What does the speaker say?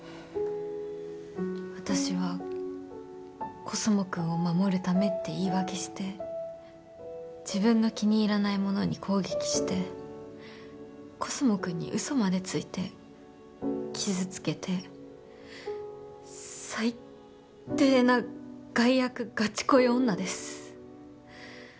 私はコスモくんを守るためって言い訳して自分の気に入らないものに攻撃してコスモくんにウソまでついて傷つけて最低な害悪ガチ恋女です